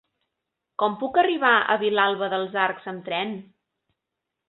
Com puc arribar a Vilalba dels Arcs amb tren?